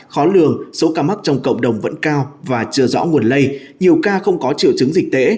khó lường số ca mắc trong cộng đồng vẫn cao và chưa rõ nguồn lây nhiều ca không có triệu chứng dịch tễ